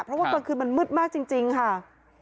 เพราะว่ากลางคืนมันมืดมากจริงค่ะ